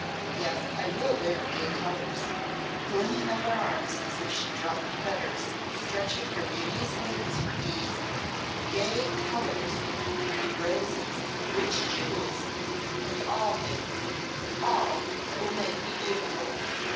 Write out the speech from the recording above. Yes, I will wear gay colours," flinging up her arms as if she dropped fetters, and stretched her beauteous limbs for ease "gay colours and roses and rich jewels and all things all that will make me beautiful!"